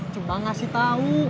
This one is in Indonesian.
cuma ngasih tau